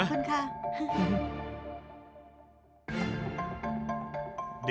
ขอบคุณค่ะ